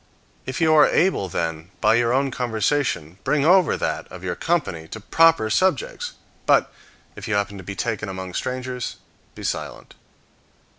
If you are able, then, by your own conversation bring over that of your company to proper subjects; but, if you happen to be taken among strangers, be silent.